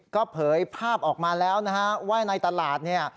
ก็เผยภาพออกมาแล้วนะฮะว่าในตลาดเนี่ย